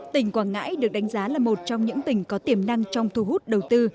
tỉnh quảng ngãi được đánh giá là một trong những tỉnh có tiềm năng trong thu hút đầu tư